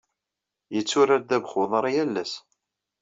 Yetturar ddabex-uḍar yal ass.